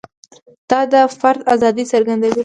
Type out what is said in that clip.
دا د فرد ازادي څرګندوي.